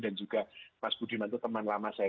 dan juga mas budiman itu teman lama saya